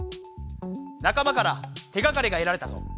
仲間から手がかりがえられたぞ。